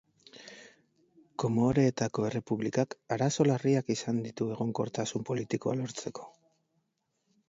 Komoreetako errepublikak arazo larriak izan ditu egonkortasun politikoa lortzeko.